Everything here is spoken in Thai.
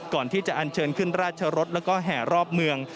ก่อนที่จะอันเชิญขึ้นราชรสแล้วก็แห่รอบเมือง